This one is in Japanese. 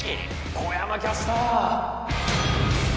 小山キャスター。